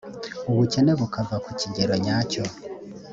ubukene bukava ku kigero nyacyo.